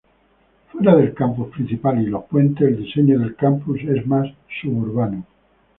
Fuera del campus principal y los puentes, el diseño del campus es más suburbano.